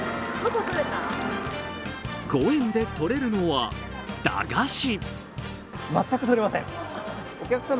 ５円で取れるのは駄菓子。